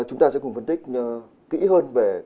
chúng ta sẽ cùng phân tích kỹ hơn về cuộc bầu